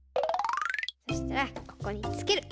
そしたらここにつける。